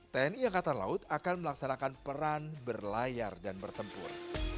tni angkatan laut akan melaksanakan peran berlayar dan bertempur